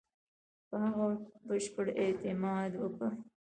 په هغه بشپړ اعتماد وکړ.